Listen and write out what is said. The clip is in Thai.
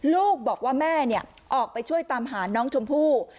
ลูกบอกว่าแม่ออกไปช่วยตามหาน้องชมพู่